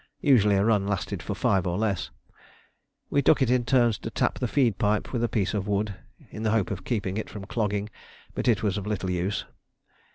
Usually a run lasted for five or less. We took it in turns to tap the feed pipe with a piece of wood, in the hope of keeping it from clogging; but it was of little use.